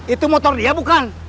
itu motor dia bukan